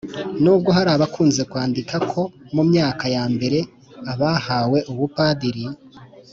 n'ubwo hari abakunze kwandika ko mu myaka ya mbere abahawe ubupadiri